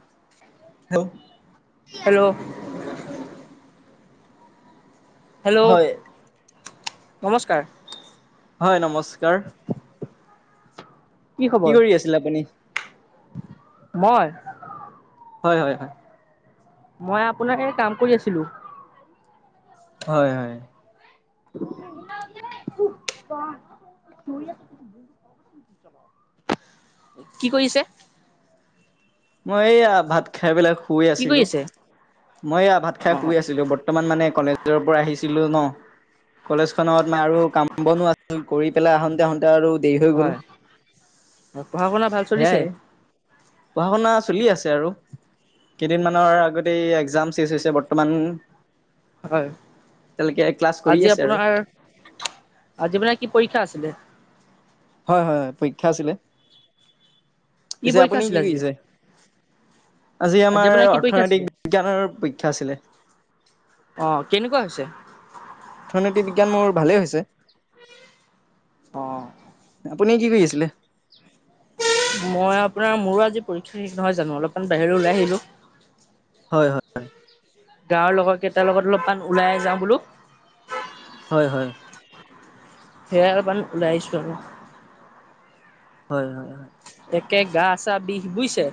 [unintelligible] হেল্ [unintelligible] হেল hello হয়, নমস্কাৰ হয় নমস্কাৰ। কি কৰি আছিল আপুনি? মই হয় - হয় - হয় মই আপোনাৰ এনে কাম কৰি আছিলো। হয় হয় [inaudible] কি কৰিছে? মই এইয়া ভাত খাই পেলাই শুই কি কৰি আছিলো। আছে মই এয়া ভাত খাই অ শুই আছিলোঁ। বৰ্তমান মানে কলেজৰ পৰা আহিছিলোঁ ন। কলেজ খনত মই আৰু কাম বনো আছিল কৰি পেলাই আহোঁতে আহোঁতে। আৰু দেৰি হৈ গ'ল হয় পঢ়া শুনা ভাল চলিছে এয়াই। পঢ়া শুনা চলি আছে আৰু কেইদিনমানৰ আগতে এক্জাম শেষ হৈছে। বৰ্তমান হয় এতিয়ালৈকে ক্লাছ কৰি আজি আছে আৰু। আপোনাৰ, আজি মানে কি পৰীক্ষা আছিলে? হয়- হয়- হয় পৰীক্ষা আছিলে কি পিছে পৰীক্ষা আপুনি আছিলে কি আজি কৰিছে? আজি আমাৰ আপোনাৰ কি পৰীক্ষা আছিলে অৰ্থনৈতিক বিজ্ঞানৰ পৰীক্ষা আছিলে অ কেনেকুৱা হৈছে অথনৈতিক বিজ্ঞান মোৰ ভালেই হৈছে অ [unintelligible] আপুনি কি কৰি আছিলে মই আপোনাৰ মোৰো আজি পৰীক্ষা শেষ নহয় জানো অলপমান বাহিৰত ওলাই আহিলো হয় হয় গাঁৱৰ লগৰ কেইটাৰ লগত অলপমান ওলাই যাওঁ বোলো হয় হয় সেয়া অলপমান ওলাইছো আৰু। হয়-হয়-হয়, একে গা চা বিষ বুজিছে।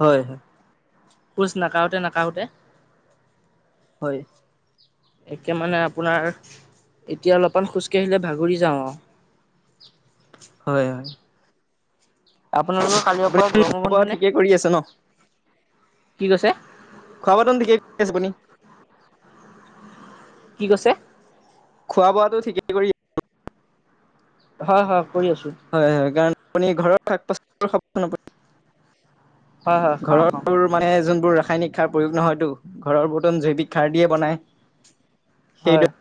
হয়-হয়। খোজ নাকাওতে-নাকাওতে। হয়। একে মানে আপোনাৰ এতিয়া অলপমান খোজকাঢ়িলে ভাগুৰি যাওঁ আ', হয়-হয়। আপোনালোকৰ কালিৰ আপুনি পৰা গৰমৰ খোৱা বন্ধ বোৱা নে? ঠিকে কৰি আছে ন। কি কৈছে? খাবৰ বোৱাটো ঠিকে কৰি আছোঁ, আপুনি? কি কৈছে? খোৱা বোৱাটো ঠিকেই কৰি হয়-হয়। হয়-হয় কাৰণ আপুনি ঘৰৰ শাক পাচল হয় হয় খাওঁ খাওঁ। ঘৰৰ মানে যোনবোৰ ৰাসায়নিক। খাৰ প্ৰয়োগ নহয়তো ঘৰৰ বৰ্তন জৈৱিক খাৰ দিয়ে বনাই। হয়। সেইদৰে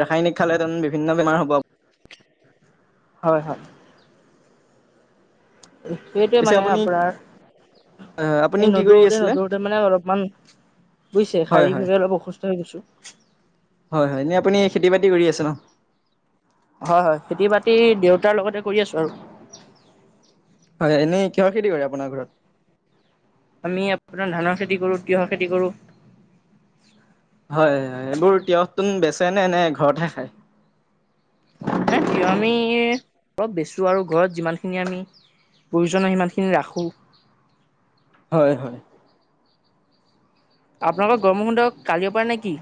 ৰাসায়নিক খালেটোন বিভিন্ন বেমাৰ হ'ব। হয়-হয়। সেইটোৱে পিছে মানে আপুনি আপোনাৰ। আহ আপুনি এই কি কৰি আছিলে? নদুৰোতে-নদুৰোতে মানে অলপমান, বুজিছে হয় শাৰীৰিক ভাৱে অলপ অসুস্থ হৈ গৈছো। হয়-হয় এনে আপুনি খেতি বাতি কৰি আছে ন। হয়-হয় খেতি বাতি দেউতাৰ লগতে কৰি আছো আৰু। হয়, এনেই কিহৰ খেতি কৰে আপোনাৰ ঘৰত আমি আপোনাৰ ধানৰ খেতি কৰো তিঁয়হ খেতি কৰোঁ। হয়-হয় এইবোৰ তিঁয়হতোন বেচাই নে এনে ঘৰতহে খায়। নাই তিঁয়হ আমি অলপ বেচো আৰু ঘৰত যিমান খিনি আমি প্ৰয়োজন হয় সিমানখিনি ৰাখোঁ। হয়-হয়। আপোনালোকৰ গৰমৰ বন্ধ কালিৰ পাৰা নেকি?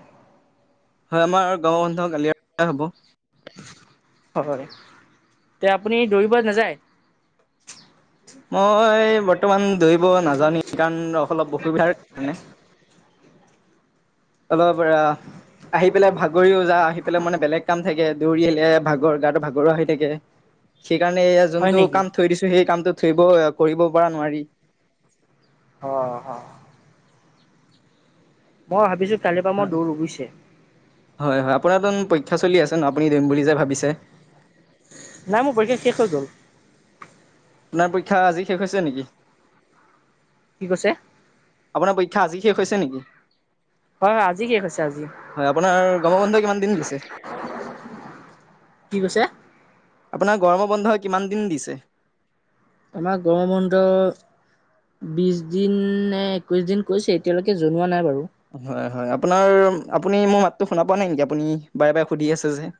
হয়, আমাৰ গৰমৰ বন্ধ কালিয়ৰ পৰা হ'ব। হয়, তে আপুনি দৌৰিব নাযায়। মই বৰ্তমান দৌৰিব নাজাও নেকি কাৰণ অলপ অসুবিধাৰ কাৰণে। অলপ পৰা। আহি পেলাই ভাগৰিও যা আহি পেলাই মানে বেলেগ কাম থাকে দৌৰি আহিলে ভাগৰ গাটো ভাগৰুৱা হৈ থাকে। হয় [unintelligible] সেইকাৰণে এয়া যোনটো নেকি? কাম থৈ দিছো সেই কামটো থৈ দিছোঁ কৰিব পৰা নোৱাৰি। অ' হয়। মই ভাবিছো কালিৰ পৰা মই দৌৰো বুজিছে হয়-হয় আপোনাৰ টোন প শিক্ষা চলি আছে ন আপুনি দিম বুলি যে ভাবিছে। নাই মোৰ পৰীক্ষা শেষ হৈ গল। আপোনাৰ পৰীক্ষা আজি শেষ হৈছে নেকি? কি কৈছে? আপোনাৰ পৰীক্ষা আজি শেষ হৈছে নেকি? হয়-হয় আজি শেষ হৈছে আজি। গৰম বন্ধ কিমান দিন দিছে কি কৈছে আপোনাক, গৰম বন্ধ কিমান দিন দিছে। আমাৰ গম বন্ধ বিশ দিনে একৈশ দিন কৈছে এতিয়ালৈকে জনোৱা নাই বাৰু হয় হয় আপোনাৰ আপুনি মোৰ মাতটো শুনা পোৱা নাই নেকি আপুনি বাৰে বাৰে সুধি আছে যে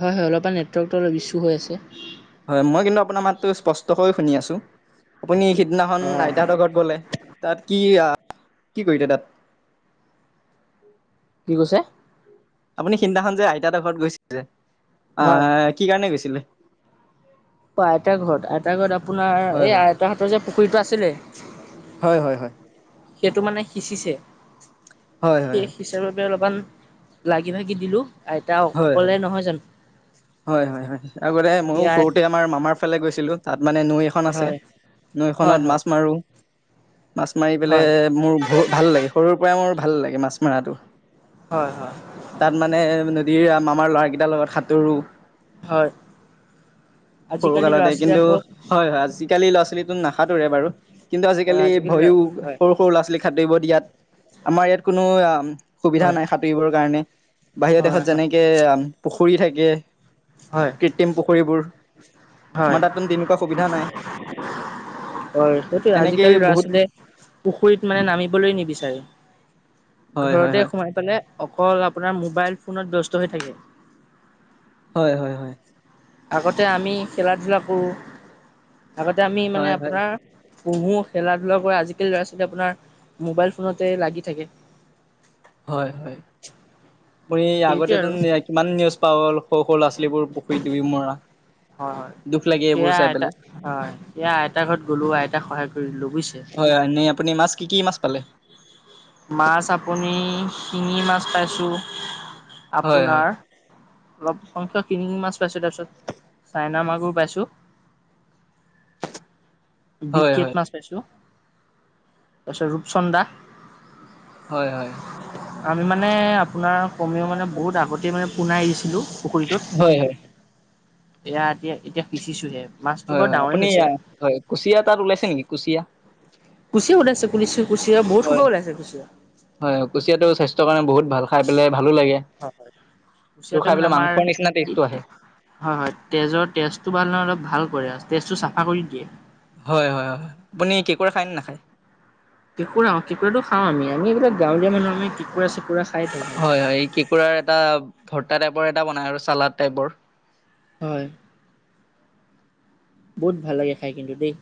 হয় হয় অলপমান নেটৱৰ্কটো অলপ ইচছ্যু হৈ আছে হয় মই কিন্তু আপোনাৰ মাতটো স্পষ্টকৈ শুনি আছোঁ আপুনি সিদিনাখন আইতাৰ ঘৰত গ'লে তাত কি আহ কি কৰিছে তাত [inaudible] কি কৈছে [inaudible] আপুনি সিদিনাখনন যে আইতা এটা ঘৰত গৈছিল যে হয় আহ কি কাৰনেে গৈছিলে [inaudible] অ আইতা ঘৰত আইতা ঘৰত আপোনাৰ হয় এই আইত হাতৰ যে পুখুৰীতটো আছিলে হয় হয় হয় সেইটো মানে সিঁচিছে হয় হয় সেই হয় সিঁচাৰ বাবে অলপমান লাগি ভাগি দিলো আইতা হয় অকলে হয় নহয় জানো হয় হয় হয় আগতে সি ময়ো আই সৰুতে আমাৰ মামাৰ ফালে গৈছিলোঁ তাত মানে নৈ এখন আছে হয় হয় নৈখনত হয় মাছ মাৰো মাছ মাৰি পেলাই হয় মোৰ ভাল লাগে সৰুৰ পৰাই মোৰ ভাল লাগে মাছ মৰাটো হয় হয় তাত মানে আমাৰ ল'ৰাৰাকেইটাৰ লগত সাঁতোৰো হয় সৰু আজিকালি ল'ৰা কালতে ছোৱালী কিন্তু আকৌ হয় হয় আজিকালি ল'ৰা ছোৱালী নাখাতোৰে বাৰু কিন্তু হয় আজিকালি ল'ৰা ভয়ো হয় সৰু সৰু ল'ৰা ছোৱালী খতুৰিব দিয়াত আমাৰ ইয়াত কোনো অ সুবিধা হয় নাই সাঁতুৰিবৰ কাৰণে বাহিৰৰ হয় দেশত হয় যেনেকে পুখুৰী থাকে হয় কৃত্ৰিম পুখুৰীবোৰ হয় আমাৰ তাতো তেনেকুৱা সুবিধা নাই [inaudible] হয় সেইটোয়ে এনেকেই আজিকালি ল'ৰা বহুত ছোৱালীয়ে পুখুৰীত মানে নামিবলৈ নিবিচাৰে হয় হয় ঘৰতে হয় সোমাই পেলাই অকল আপোনাৰ মোবাইল ফোনত ব্যস্ত হৈ থাকে [inaudible] হয় হয় হয় আগতে আমি খেলা ধূলা কৰোঁ আগতে আমি মানে হয় হয় আপোনাৰ পুহু খেলা ধূলা কৰা আজিকালি ল'ৰা ছোৱালী আপোনাৰ মোবাইল ফোনতে লাগি থাকে [inaudible] হয় হয় আপুনি সেইটোৱে আগতেতো আৰু হয় কিমান নিউজ পাওঁ সৰু সৰু ল'ৰা ছালীবোৰ পুখুৰী দুবি মৰা হয় হয় দুখ লাগে এইবোৰ সেয়া চাই আইতা পেলাই হয় সেয়া আইতাৰ ঘৰত গ'লো আইতাক সহায় কৰি দিলৈ বুজিছে হয় হয় এনেই আপুনি মাছ কি কি মাছ পালে মাছ আপুনি শিঙি মাছ পাইছোঁ হয় হয় আপোনাৰ অলপ সংখ্য কিনি মাছ পাইছোঁ তাৰপিছত চাইনা মগুৰ পাইছোঁ হয় বিকেট হয় মাছ পাইছো তাৰপিছত ৰূপচন্দা [inaudible] হয় হয় আমি মানে আপোনাৰ কমেও মানে বহুত আগতেই মানে পোনাই আহিছিলোঁ পুখুৰীটোত হয় হয় এয়া এতিয়া এতিয়া পিচিছোহে মাছটো হয় বৰ হয় ডাঙৰে আপুনি হৈছে আহ, [inaudible] হয় কুচিয়া তাত ওলাইছে নেকি কুচিয়া? কুচিয়া ওলাইছে কুছোঁ কুচিয়া বহুত হয় হয় খুবৰ ওলাইছে কুচিয়া [inaudible] হয় হয়, কুচিয়াটো স্বাস্থ্যৰ কাৰণে বহুত ভাল খাই পেলাই ভালো লাগে এইটো উুচিয়তে খাই মানে পেলাই আমাৰ মাংসৰ নিচিনা টেষ্টটো আহে। হয় হয় তেজৰ তেজ জালে অলপ ভাল কৰে আৰু তেজটো চাফা কৰি দিয়ে হয় হয় হয় আপুনি কেকোৰে খায়নে নাখায় কেুকুৰাঁুটো খও আমি আম এইিলাক গাঁৱৰীয়া মানুহ আমিুকুৰা চ হয় হয় কেঁকোৰাৰ এটা ভৰ্তা টাইপৰ এটা বনাই আৰু চালড টাইপৰ হয় বহুত ভাল লাগে খাই কিন্তু দেই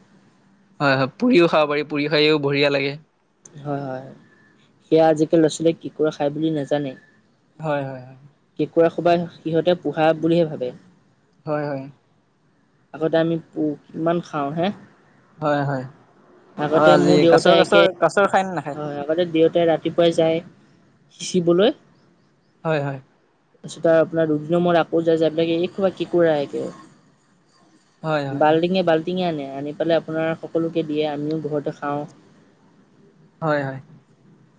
হয় হয় পুৰিও খাব পাৰি পুৰি খায়ও বঢ়িয়া লাগে হয়-হয়-হয় সেয়া আজিকালি ল'ৰা-ছোৱালীয়ে কেকোঁৰা খায় বুলি নাজানে। হয়-হয়-হয়। কুকুৰা খোবাই সিহঁতে পোহা বুলিহে ভাবে। হয়-হয়। আগতে আমি প কিমান খাও হে। হয়-হয় আৰু আগতে আজি মোৰ দেউতাই একে কাছৰ-কাছৰ-কাছৰ। হয়, আগতে দেউতাই ৰাতিপুৱাই যায় সিচিবলৈ হয়-হয়। তাৰপিছত আৰু আপোনাৰ দুদিন মূৰত আকৌ যা যায় আপোনাকে এই কেকোঁৰা হয় হয় বাল্টিঙে, বাল্টিঙে আনে। আনি পেলাই আপোনাৰ সকলোকে দিয়ে, আমিও ঘৰতে খাও। হয়-হয়।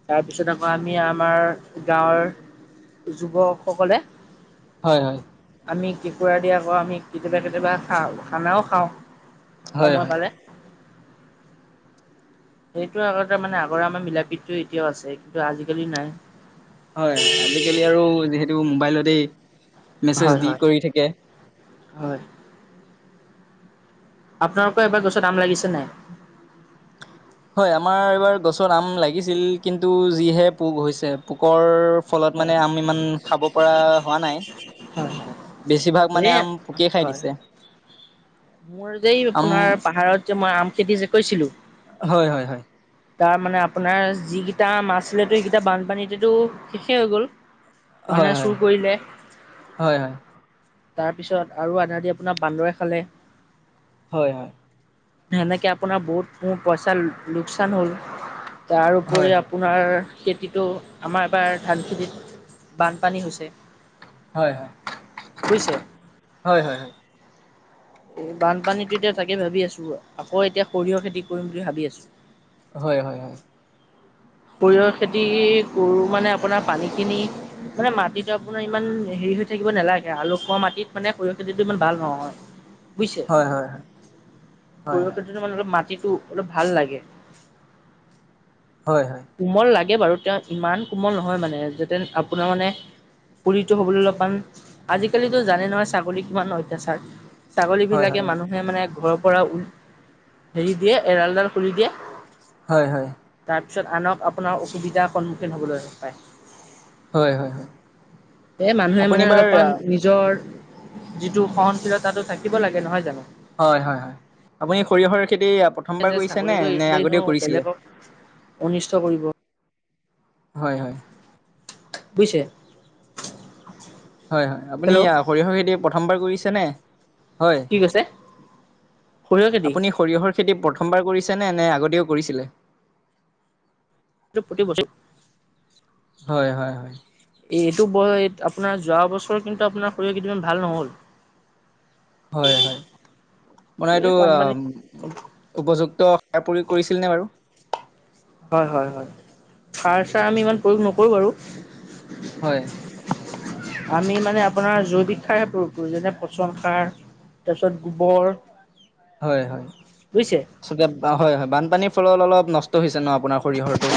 তাৰপিছত আকৌ আমি আমাৰ গাঁৱৰ যুৱকসকলে। হয়-হয়। আমি কেঁকুৰাদি আকৌ আমি কেতিয়াবা কেতিয়াবা খাও, খানাও খাও। হয় হয় সময় পালে সেইটো আগতে মানে আগৰ আমাৰ মিলাপ্ৰীতি এতিয়াও আছে কিন্তু আজিকালি নাই। হয়, হয় আজিকালি আৰু যিহেতু মোবাইলতেই মেছেজ হয় দি হয় কৰি থাকে। হয়। আপোনালোকৰ এবাৰ গছত আম লাগিছে নাই। হয়, আমাৰ এইবাৰ গছত আম লাগিছিল কিন্তু যিহে পোক হৈছে পোক। ফলত হয় মানে হয় আমি ইমান খাব পৰা হোৱা নাই। হয় বেছিভাগ হয়। এ মানে আম পোকে খাই হয় দিছে। মোৰ যে আম আপোনাৰ পাহাৰত যে মই আম খেতি যে কৈছিলো হয়-হয়-হয়। তাৰ মানে আপোনাৰ যিকেইটা মাছছিলেতো সেইকেইটা বানপানীতেতো শেষেই হৈ গ'ল। হয় মানুহে হয় চুৰ কৰিলে। হয় হয় তাৰপিছত আৰু আধা, আধি আপোনাৰ বান্দৰে খালে। হয়-হয়। সেনেকে আপোনাৰ বহুত মোৰ পইচাৰ লোকচান হ'ল। তাৰোপৰি হয় আপোনাৰ কিটো আমাৰ এবাৰ ধানখেতিত বানপানী হৈছে। হয়-হয়। বুইছে। এই বানপানীতো এতিয়া তাকে ভাবি আছো আকৌ এতিয়া সৰিয়হ খেতি কৰিম বুলি ভাবি আছো। হয়-হয়-হয়। সৰিয়হৰ খেতি কৰো মানে আপোনাৰ পানী খিনি। মানে মাটিতটো আপোনাৰ ইমান হেৰি হৈ থাকিব নালাগে, আলু খোৱা মাটিত মানে সৰিয়হ খেতিটো ইমান ভাল নহয়। বুজিছে হয় হয় হয় হয় হয় হয় সৰিয়হ খেতিটো মাটিত ভাল লাগে। হয়-হয়। কোমল লাগে বাৰু তেওঁ ইমান কোমল নহয় মানে যাতে আপোনাৰ মানে পুলিটো হ'বলৈ অলপ মান আজিকালিতো জানে নহয় ছাগলীৰ কিমান অত্যাচাৰ। ছাগলী বিলাকে মানুহে মানে ঘৰৰ পৰা উ হেৰি দিয়ে এৰালডাল খুলি দিয়ে। হয়-হয়। তাৰপিছত আনক আপোনাৰ অসুবিধাৰ সন্মুখীন হ'বলৈ পায়। হয় হয় এহ মানুহে আপুনি মানে বাৰ অলপমান নিজৰ যিটো সহনশীলতাটো থাকিব লাগে নহয় জানো। হয়-হয়-হয় আপুনি সৰিয়হৰ খেতি যে প্ৰথমবাৰ কৰিছে নে, ছাগলীটো এৰি নে দিলে নো আগতেও কৰিছিলে? বেলেগক অনিষ্ট কৰিব। হয়, হয়। বুইছে? হয়, হয়, আপুনি আ সৰিয়হৰ খেতি প্ৰথমবাৰ কৰিছে নে। হয়, কি কৈছে? সৰিয়হ খেতি আপুনি সৰিয়হৰ খেতি প্ৰথমবাৰ কৰিছে। নে, নে আগতেও কৰিছিলে? প্ৰতি বছৰ হয়, হয়, হয়। এইটো আপোনাৰ যোৱা বছৰ কিন্তু আপোনাৰ সৰিয়হৰ খেতি খন ভাল নহ'ল। হয়, হয়, মানে এইটো এই আ বানপানী উপযুক্ত সাৰ প্ৰয়োগ কৰিছিল নে বাৰু। হয়, হয়, হয়, সাৰ চাৰ আমি ইমান প্ৰয়োগ নকৰো বাৰু। হয় আমি মানে আপোনাৰ জৈ ৱিক সাৰহে প্ৰয়োগ কৰো যেনে পচন সাৰ, তাৰপিছত গোবৰ। হয়, হয়। বুজিছে হয় হয় বানপানীৰ ফলত অলপ নষ্ট হৈছে ন আপোনাৰ সৰিয়হৰটো।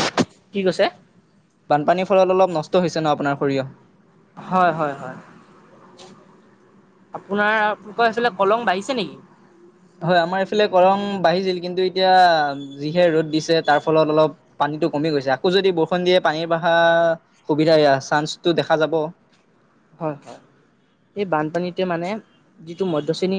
কি কৈছে? বানপানীৰ ফলত অলপ নষ্ট হৈছে ন আপোনাৰ সৰিয়হ। হয় হয় হয়। আপোনাৰ কি কৈ আছিলে কলং বাঢ়িছে নেকি? হয় আমাৰ এইফালে কলং বাঢ়িছিল কিন্তু এতিয়া যিহে ৰ'দ দিছে তাৰ ফলত অলপ পানী পানীটো কমি গৈছে, আকৌ যদি বৰষুণ দিয়ে পানী বাঢ়া সুবিধা চান্সটো দেখা যাব। হয়, হয়। এই বানপানীতে মানে যিটো মধ্য শ্ৰেণীৰ